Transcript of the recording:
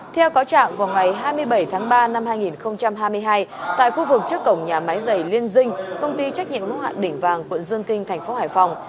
theo có trạng vào ngày hai mươi bảy tháng ba năm hai nghìn hai mươi hai tại khu vực trước cổng nhà máy giày liên dinh công ty trách nhiệm lúc hạn đỉnh vàng quận dương kinh tp hải phòng